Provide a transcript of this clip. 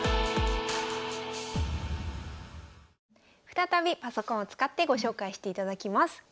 再びパソコンを使ってご紹介していただきます。